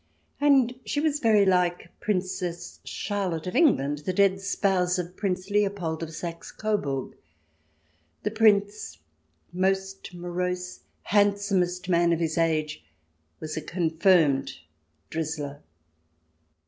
And she was very like Princess Char lotte of England, the dead spouse of Prince Leopold of Saxe Coburg. The Prince, most morose, hand somest man of his age, was a confirmed " drizzler."